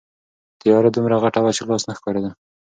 تیاره دومره غټه وه چې لاس نه ښکارېده.